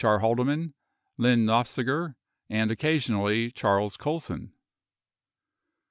R. Haldeman, Lyn Nofziger, and occasionally Charles Colson.